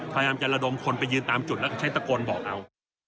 พยายามจะระดมคนไปยืนตามจุดแล้วใช้ตะโกนบอกเอา